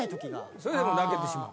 それで泣けてしまう。